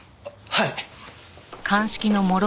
はい。